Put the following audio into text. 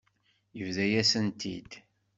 Yebḍa-yasen-t-id.